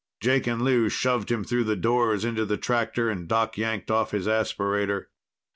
Jake and Lou shoved him through the doors into the tractor and Doc yanked off his aspirator.